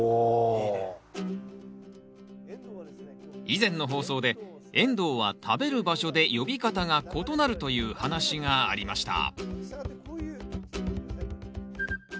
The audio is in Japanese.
以前の放送でエンドウは食べる場所で呼び方が異なるという話がありました